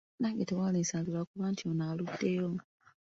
Nange tewandinsanze lw’akuba nti ono aluddeyo.